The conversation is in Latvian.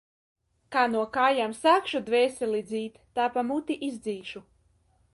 Kā no kājām sākšu dvēseli dzīt, tā pa muti izdzīšu.